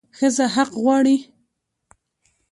ښځه حق غواړي